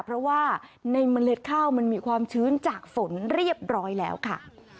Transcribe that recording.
เพราะว่าในเมล็ดข้าวมันมีความชื้นจากฝนเรียบร้อยแล้วค่ะ